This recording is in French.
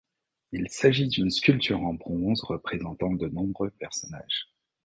Il s'agit d'une sculpture en bronze représentant de nombreux personnages.